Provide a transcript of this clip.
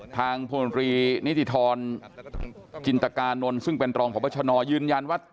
ทางภูมิวันตรีนิทธรณ์จินตการณ์ซึ่งเป็นตรองของประชโนยืนยันว่า